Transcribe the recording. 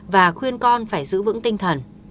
và khuyên con phải giữ vững tinh thần